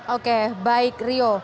oke baik rio